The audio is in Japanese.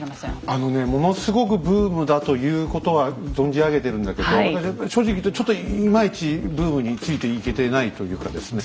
あのねものすごくブームだということは存じ上げてるんだけど私は正直言うとちょっといまいちブームについていけてないというかですね。